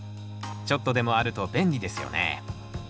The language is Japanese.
ちょっとでもあると便利ですよね。